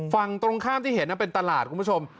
ฝั่งตรงข้ามที่เห็นเป็นตลาดคุณผู้ชม